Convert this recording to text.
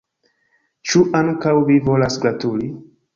Ĉu ankaŭ vi volas gratuli?